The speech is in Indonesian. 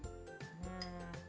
lanjut lagi hal isinyaini